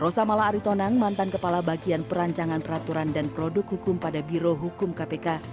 rosa mala aritonang mantan kepala bagian perancangan peraturan dan produk hukum pada biro hukum kpk